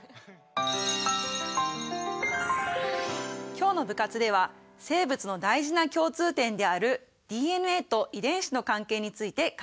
今日の部活では生物の大事な共通点であるＤＮＡと遺伝子の関係について考えてみました。